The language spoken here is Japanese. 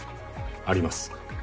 あります。